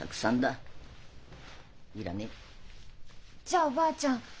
じゃあおばあちゃん